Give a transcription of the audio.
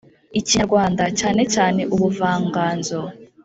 ikinyarwanda cyane cyane ubuvanganzo